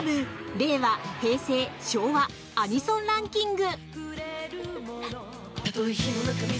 令和ＶＳ平成ＶＳ昭和アニソンランキング」。